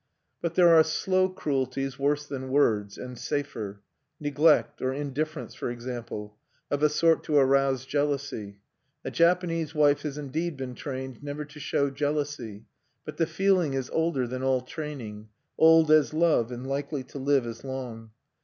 But there are slow cruelties worse than words, and safer, neglect or indifference, for example, of a sort to arouse jealousy. A Japanese wife has indeed been trained never to show jealousy; but the feeling is older than all training, old as love, and likely to live as long.